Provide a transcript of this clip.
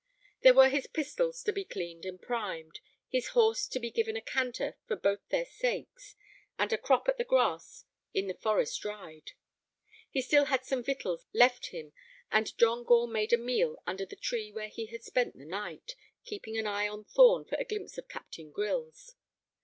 There were his pistols to be cleaned and primed, his horse to be given a canter for both their sakes, and a crop at the grass in the forest ride. He still had some victuals left him, and John Gore made a meal under the tree where he had spent the night, keeping an eye on Thorn for a glimpse of Captain Grylls.